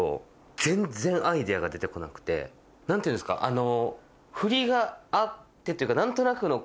何ていうんですかあの。